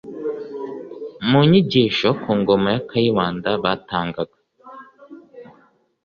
“Mu nyigisho ku ngoma ya Kayibanda batangaga